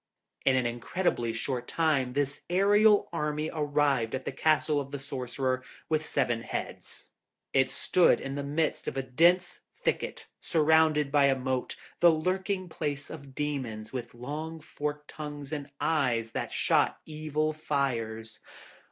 In an incredibly short time this aerial army arrived at the castle of the Sorcerer with the Seven heads. It stood in the midst of a dense thicket, surrounded by a moat, the lurking place of demons with long forked tongues, and eyes that shot evil fires.